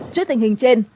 trước tình hình trên